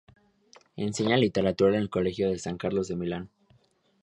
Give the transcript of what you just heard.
Enseña literatura en el colegio de San Carlos de Milán.